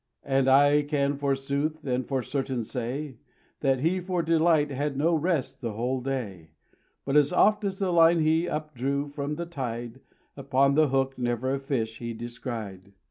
And I can forsooth and for certainty say, That he for delight had no rest the whole day. But as oft as the line he up drew from the tide, Upon the hook never a fish he descried.